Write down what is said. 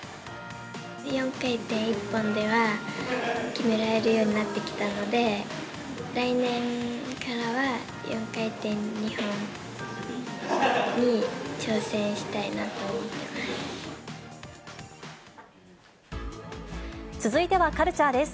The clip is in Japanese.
４回転１本では、決められるようになってきたので、来年からは４回転２本に挑戦したいなと思ってます。